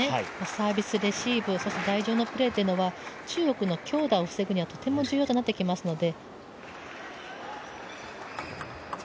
サービス、レシーブそして台上のプレーというのは中国の強打を防ぐにはとても重要となってきますので。